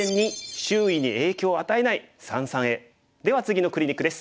では次のクリニックです。